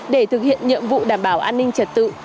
để thực hiện nhiệm vụ đảm bảo an ninh trật tự